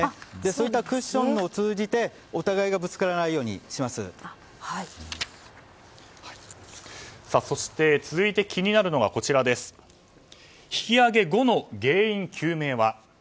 そういったクッションを通じてお互いがそして、続いて気になるのが引き揚げ後の原因究明は。